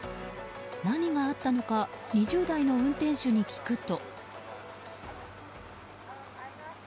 何があったのか２０代の運転手に聞くと。